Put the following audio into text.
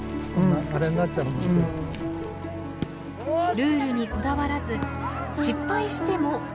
ルールにこだわらず失敗しても笑い飛ばす。